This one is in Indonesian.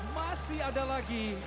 masih ada lagi